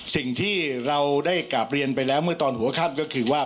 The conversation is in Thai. สิ่งที่เราได้กราบเรียนไปแล้วเมื่อตอนหัวค่ำก็คือว่า